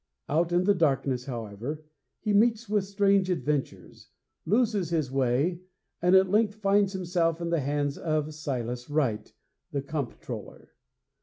Out in the darkness, however, he meets with strange adventures, loses his way, and at length finds himself in the hands of Silas Wright, the Comptroller.